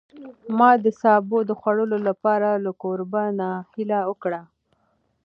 ما د سابو د خوړلو لپاره له کوربه نه هیله وکړه.